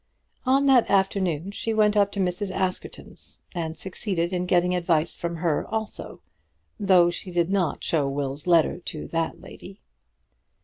On that afternoon she went up to Mrs. Askerton's; and succeeded in getting advice from her also, though she did not show Will's letter to that lady.